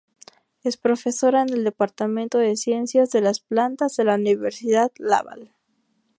Es profesora en el Departamento de Ciencias de las Plantas de la Universidad Laval.